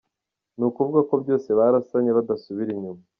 Ni ukuvuga ko bose barasanye badasubira inyuma.